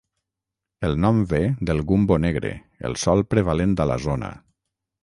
El nom ve del "gumbo negre", el sòl prevalent a la zona.